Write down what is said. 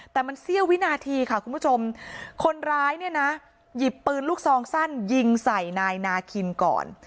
แต่มันเสี้ยววินาทีค่ะคุณผู้ชมคนร้ายเนี่ยนะหยิบปืนลูกซองสั้นยิงใส่นายนาคินก่อน